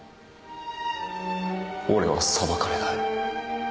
俺は裁かれない？